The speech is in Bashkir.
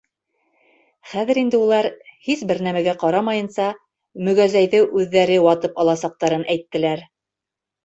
Хәҙер инде улар, һис бер нәмәгә ҡарамайынса, мөгәзәйҙе үҙҙәре ватып аласаҡтарын әйттеләр.